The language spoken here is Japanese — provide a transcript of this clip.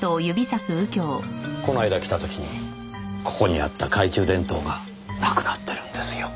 この間来た時にここにあった懐中電灯がなくなってるんですよ。